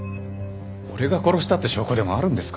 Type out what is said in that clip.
俺が殺したって証拠でもあるんですか？